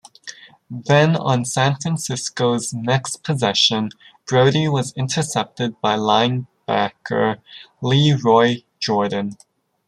Then on San Francisco's next possession, Brodie was intercepted by linebacker Lee Roy Jordan.